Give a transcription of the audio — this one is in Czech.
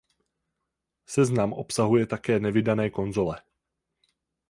Seznam obsahuje také nevydané konzole.